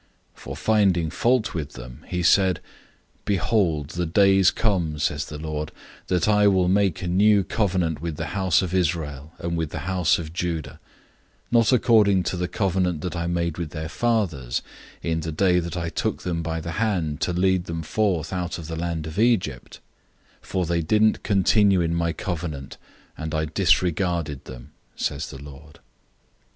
008:008 For finding fault with them, he said, "Behold, the days come," says the Lord, "that I will make a new covenant with the house of Israel and with the house of Judah; 008:009 not according to the covenant that I made with their fathers, in the day that I took them by the hand to lead them out of the land of Egypt; for they didn't continue in my covenant, and I disregarded them," says the Lord.